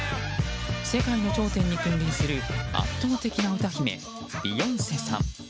世界の頂点に君臨する圧倒的な歌姫、ビヨンセさん。